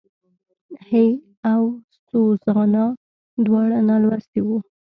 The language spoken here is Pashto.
هېي او سوزانا دواړه نالوستي وو.